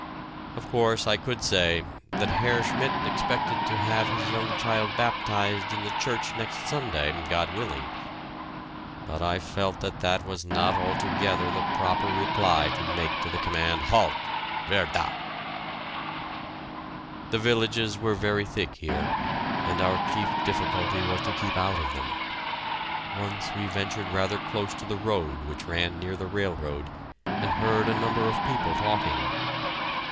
Of course, I could say "that Herr Schmidt expected to have his young child baptized in the church next Sunday, God willing," but I felt that that was not altogether the proper reply to make to the command "Halt! Wer da?" The villages were very thick here, and our chief difficulty was to keep out of them. Once we ventured rather close to the road which ran near the railroad, and heard a number of people talking.